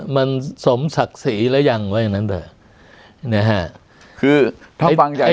มันสมศักดิ์ศรีแล้วยังไว้อย่างงั้นแถวนะฮะคือถ้าฟังจัง